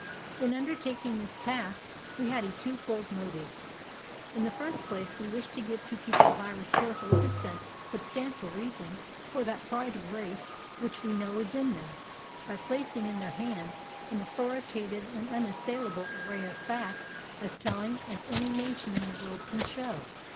In undertaking this task we had a twofold motive. In the first place, we wished to give to people of Irish birth or descent substantial reason for that pride of race which we know is in them, by placing in their hands an authoritative and unassailable array of facts as telling as any nation in the world can show.